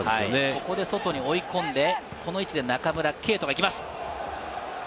ここで外に追い込んで、この位置で中村敬斗が行きます。